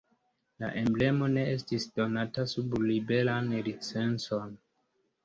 La emblemo ne estis donata sub liberan licencon.